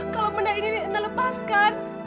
kalau benda ini ina lepaskan